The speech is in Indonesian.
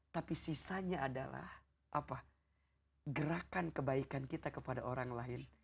tapi sisanya adalah gerakan kebaikan kita kepada orang lain